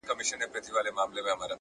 ستا څخه ډېر تـنگ.